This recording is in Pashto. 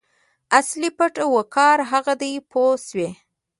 اصلي پت او وقار هغه دی پوه شوې!.